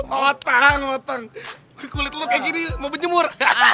otang otang kulit lo kayak gini mau bercemur